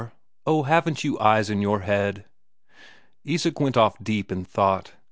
Oh, haven't you eyes in your head!" Isak went off deep in thought.